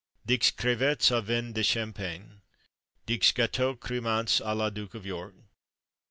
Dix Crevettes au Vin de Champagne. Dix Gâteaux crêmants à la Duke of York.